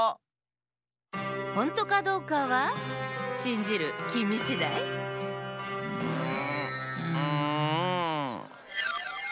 ほんとかどうかはしんじるきみしだい？んんん。